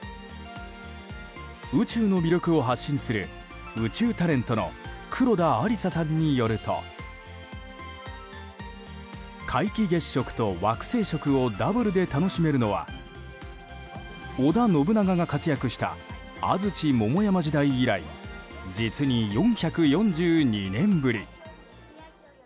宇宙の魅力を発信する宇宙タレントの黒田有彩さんによると皆既月食と惑星食をダブルで楽しめるのは織田信長が活躍した安土桃山時代以来実に４４２年ぶり。